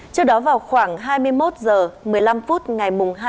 trước đó vào khoảng hai mươi một h một mươi năm phút ngày mùng hai mươi ba h